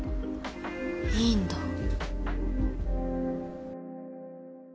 いいんだ。